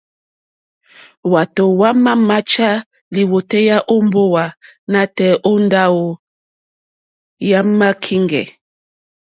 Hwátò hwámà máchá lìwòtéyá ó mbówà nǎtɛ̀ɛ̀ ó ndáwò yàmá kíŋgɛ̀.